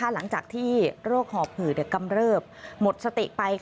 หลังจากที่โรคหอบผืหเดี๋ยวกำเริบมดสติกไป